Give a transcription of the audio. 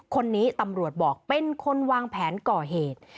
คนนี้ตำรวจบอกเป็นคนวางแผนก่อเหตุ